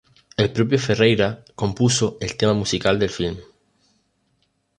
El propio Ferreyra compuso el tema musical del filme.